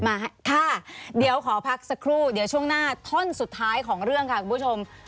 มาค่ะเดี๋ยวขอพักสักครู่เดี๋ยวช่วงหน้าท่อนสุดท้ายของเรื่องค่ะคุณผู้ชม